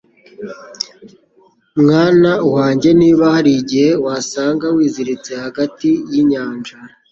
mwana wanjyeNiba hari igihe wasanga wiziritse hagati yinyanja